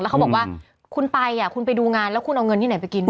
เขาบอกว่าคุณไปคุณไปดูงานแล้วคุณเอาเงินที่ไหนไปกิน